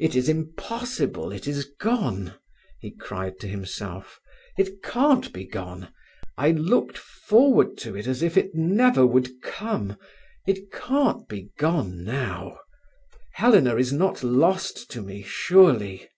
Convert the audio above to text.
"It is impossible it is gone!" he cried to himself. "It can't be gone. I looked forward to it as if it never would come. It can't be gone now. Helena is not lost to me, surely."